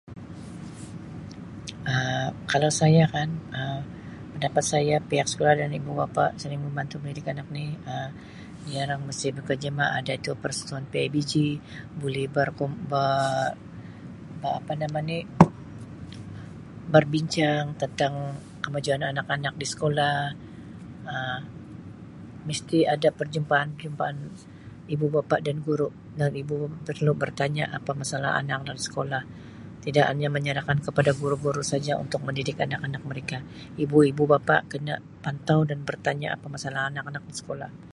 Um Kalau saya kan Um pendapat saya pihak sekolah dan ibu bapa saling membantu mendidik anak ni Um dia orang mesti [unintelligible] ada itu persatuan PIBG boleh [unintelligible] Um apa nama ni berbincang tentang kemajuan anak-anak di sekolah Um mesti ada perjumpaan-jumpaan ibu bapa dan guru dan ibu [unintelligible] perlu bertanya apa kesalahan anak-anak di sekolah, tidak hanya menyerahkan kepada guru-guru saja untuk mendidik anak-anak mereka. Ibu-ibu bapa kena pantau dan bertanya apa masalah anak-anak di sekolah.